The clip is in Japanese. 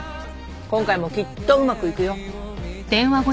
今回もきっとうまくいくよ。